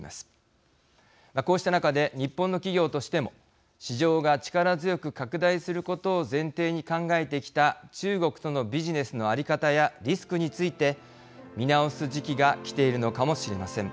こうした中で日本の企業としても市場が力強く拡大することを前提に考えてきた中国とのビジネスの在り方やリスクについて見直す時期がきているのかもしれません。